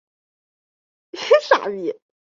当时的黄兴家在当地属于富裕家门。